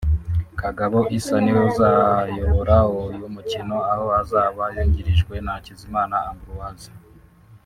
Kagabo Issa niwe uzayobora uyu mukino aho azaba yungirijwe na Hakizimana Ambroise